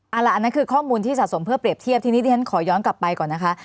เอาละคือข้อมูลที่จะสะสมเพื่อเปรียบเทียบทีนี้ชั้นขอย้อนกลับไปก่อน